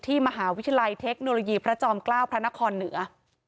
มหาวิทยาลัยเทคโนโลยีพระจอมเกล้าพระนครเหนือ